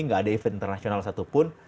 gak ada event internasional satupun